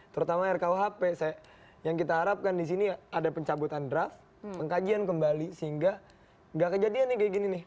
terutama rkuhp yang kita harapkan di sini ada pencabutan draft pengkajian kembali sehingga tidak kejadian seperti ini